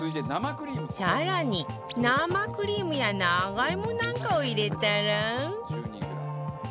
更に生クリームや長芋なんかを入れたら